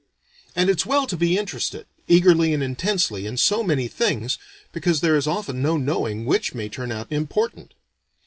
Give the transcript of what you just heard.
And it's well to be interested, eagerly and intensely, in so many things, because there is often no knowing which may turn out important.